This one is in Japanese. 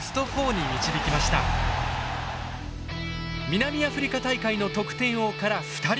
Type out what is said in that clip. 南アフリカ大会の得点王から２人。